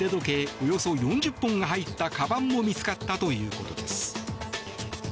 およそ４０本が入ったかばんも見つかったということです。